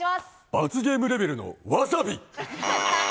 罰ゲームレベルのわさび。